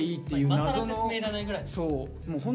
今更説明いらないぐらいのね。